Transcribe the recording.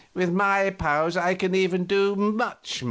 With my powers I can even do much more."